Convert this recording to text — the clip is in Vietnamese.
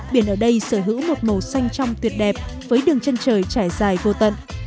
biển ở đây sở hữu một màu xanh trong tuyệt đẹp với đường chân trời trải dài vô tận